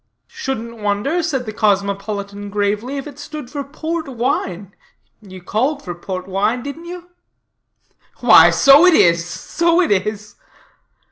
"Shouldn't wonder," said the cosmopolitan gravely, "if it stood for port wine. You called for port wine, didn't you?" "Why so it is, so it is!"